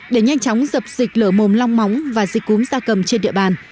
để nhanh chóng dập dịch lờ mồm long móng và dịch cúm sa cầm trên địa bàn